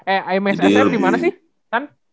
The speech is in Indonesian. eh mes sma dimana sih